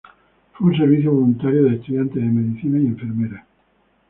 Fue un servicio voluntario de estudiantes de medicina y enfermeras.